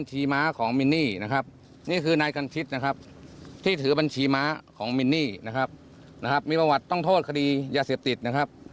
ที่ถือบัญชีม้าของมินนี่นะครับมีประวัติต้องโทษคดียาเสียบติดนะครับ